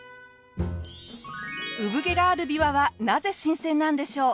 産毛があるビワはなぜ新鮮なんでしょう？